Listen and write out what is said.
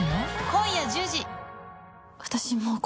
今夜１０時。